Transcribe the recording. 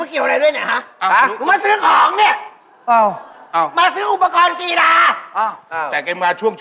พี่เดี๋ยวน้ำตกน้ำหน่อย